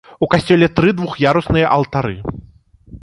У касцёле тры двух'ярусныя алтары.